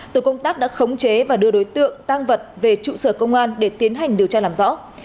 tổ công tác đã khống chế và đưa đối tượng tăng vật về trụ sở công an để tiến hành điều tra làm rõ